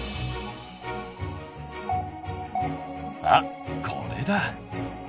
あっこれだ！